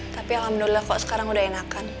tapi alhamdulillah kok sekarang udah enakan